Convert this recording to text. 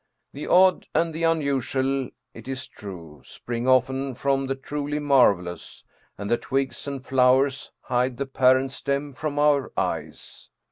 The odd and the unusual, it is true, spring often from the truly marvelous, and the twigs and flowers hide the parent stem from our eyes.